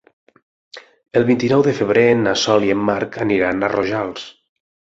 El vint-i-nou de febrer na Sol i en Marc aniran a Rojals.